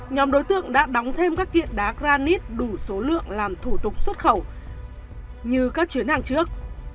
nhóm đối tượng đã đóng thêm các kiện đá granite đủ số lượng làm thủ tục xuất khẩu như các chuyến hàng trước